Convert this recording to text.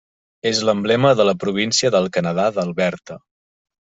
És l'emblema de la província del Canadà d'Alberta.